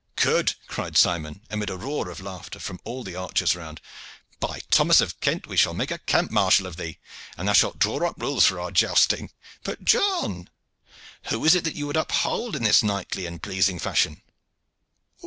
"Good!" cried Simon, amid a roar of laughter from all the archers round. "By Thomas of Kent! we shall make a camp marshal of thee, and thou shalt draw up rules for our jousting. But, John, who is it that you would uphold in this knightly and pleasing fashion?"